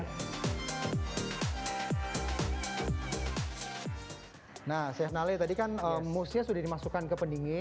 nah chef naleh tadi kan mousse nya sudah dimasukkan ke pendingin